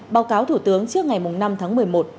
báo cáo thủ tướng trước ngày năm tháng một mươi một